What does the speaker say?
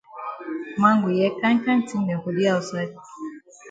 Man go hear kind kind tin dem for di outside.